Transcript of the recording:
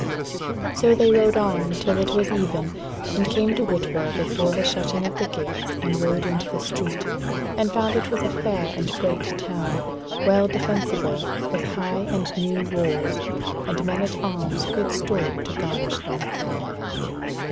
So they rode on till it was even, and came to Whitwall before the shutting of the gates and rode into the street, and found it a fair and great town, well defensible, with high and new walls, and men at arms good store to garnish them.